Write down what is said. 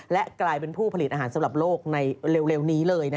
และกลายเป็นผู้ผลิตอาหารสำหรับโลกในเร็วนี้เลย